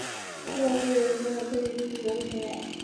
中国数学会为中国科学技术协会的成员。